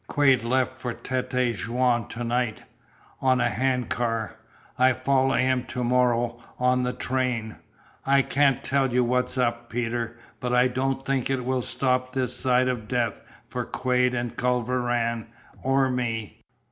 "Quade left for Tête Jaune to night, on a hand car. I follow him to morrow, on the train. I can't tell you what's up, Peter, but I don't think it will stop this side of death for Quade and Culver Rann or me.